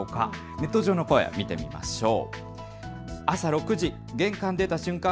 ネット上の声、見てみましょう。